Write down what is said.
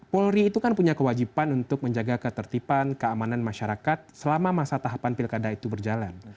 polri itu kan punya kewajiban untuk menjaga ketertiban keamanan masyarakat selama masa tahapan pilkada itu berjalan